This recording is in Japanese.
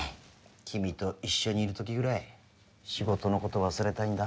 君と一緒にいる時ぐらい仕事のこと忘れたいんだ。